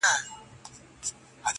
غمی ورک سو د سړي پر سترګو شپه سوه-